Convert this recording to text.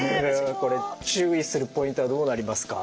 これ注意するポイントはどうなりますか？